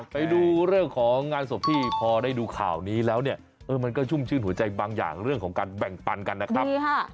ไปดูเรื่องของงานศพที่พอได้ดูข่าวนี้แล้วเนี่ยเออมันก็ชุ่มชื่นหัวใจบางอย่างเรื่องของการแบ่งปันกันนะครับ